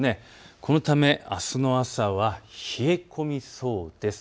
このためあすの朝は冷え込みそうです。